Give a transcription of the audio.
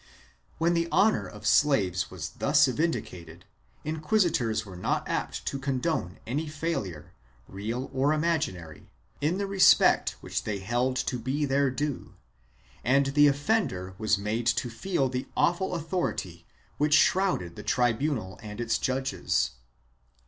When the honor of slaves was thus vindicated inquisitors were not apt to condone any failure, real or imaginary, in the respect which they held to be their due, and the offender was made to feel the awful authority which shrouded the tribunal and its judges.